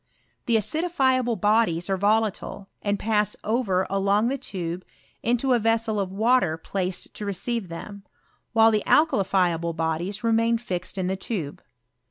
The acidifiable bodies are volatile, and pass over along the tube into a ves sel of water placed to receive them, while the alka lifiable bodies remain fixed in the tube.